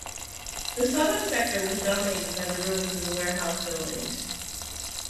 The southern sector was dominated by the ruins of warehouse buildings.